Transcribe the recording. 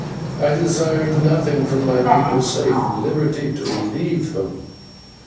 I desire nothing from my people save liberty to leave them."